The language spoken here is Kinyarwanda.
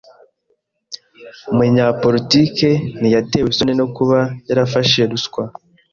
Umunyapolitike ntiyatewe isoni no kuba yarafashe ruswa.